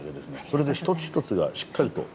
それで一つ一つがしっかりと浮き出てます。